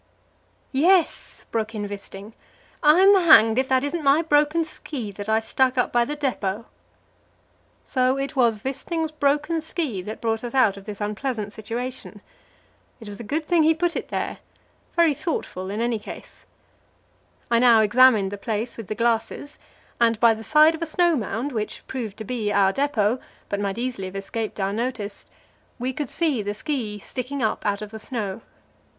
"Yes," broke in Wisting; "I'm hanged if that isn't my broken ski that I stuck up by the depot." So it was Wisting's broken ski that brought us out of this unpleasant situation. It was a good thing he put it there very thoughtful, in any case. I now examined the place with the glasses, and by the side of a snow mound, which proved to be our depot, but might easily have escaped our notice, we could see the ski sticking up out of the snow.